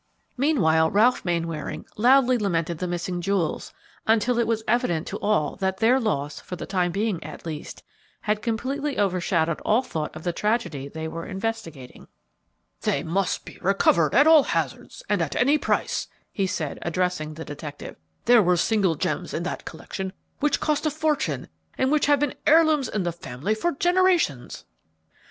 Meanwhile Ralph Mainwaring loudly lamented the missing jewels, until it was evident to all that their loss, for the time at least, had completely overshadowed all thought of the tragedy they were investigating. "They must be recovered at all hazards and at any price," he said, addressing the detective. "There were single gems in that collection which cost a fortune and which have been heirlooms in the family for generations."